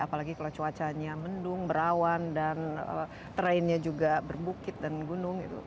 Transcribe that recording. apalagi kalau cuacanya mendung berawan dan trainnya juga berbukit dan gunung